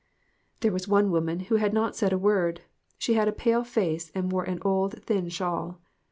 There was one woman who had not said a word. She had a pale face, and wore an old, thin shawl.